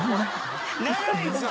長いんすよ